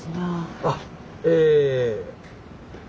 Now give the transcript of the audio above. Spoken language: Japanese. あっええ。